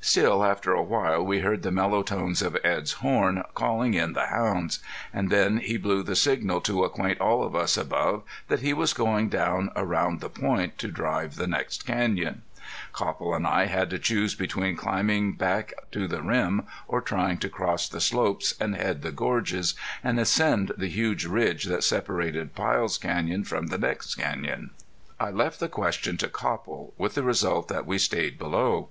Still, after a while we heard the mellow tones of Edd's horn, calling in the hounds. And then he blew the signal to acquaint all of us above that he was going down around the point to drive the next canyon. Copple and I had to choose between climbing back to the rim or trying to cross the slopes and head the gorges, and ascend the huge ridge that separated Pyle's Canyon from the next canyon. I left the question to Copple, with the result that we stayed below.